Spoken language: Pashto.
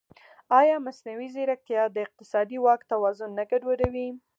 ایا مصنوعي ځیرکتیا د اقتصادي واک توازن نه ګډوډوي؟